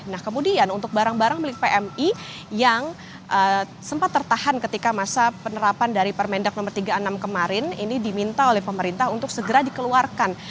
nah kemudian untuk barang barang milik pmi yang sempat tertahan ketika masa penerapan dari permendag no tiga puluh enam kemarin ini diminta oleh pemerintah untuk segera dikeluarkan